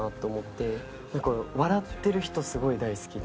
笑ってる人すごい大好きで。